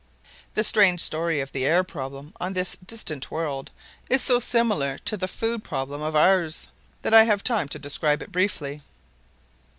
The strange story of the air problem on this distant world is so similar to the food problem of ours that I have time to describe it briefly.